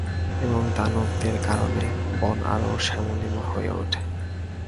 এবং দানবদের কারণে, বন আরো শ্যামলিমা হয়ে ওঠে।